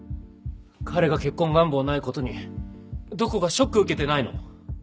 彼が結婚願望ないことにどこかショック受けてないの？